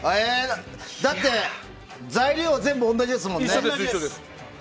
だって、材料は全部同じですもんね。